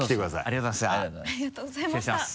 ありがとうございます。